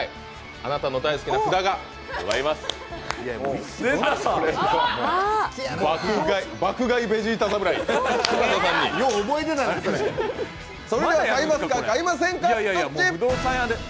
あなたの大好きな札があります。